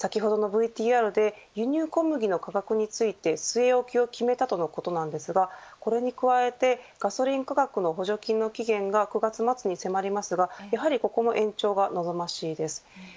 先ほどのＶＴＲで輸入小麦の価格について据え置きを決めたとのことですがこれに加えてガソリン価格の補助金の期限が９月末に迫りますがやはりここも延長が望ましいです。